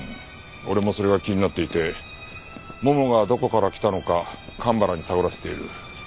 俺もそれが気になっていてももがどこから来たのか蒲原に探らせている。